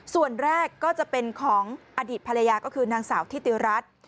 ส่วนแรกก็จะเป็นของอดีตภรรยาก็คือนางสาวทิติรัฐ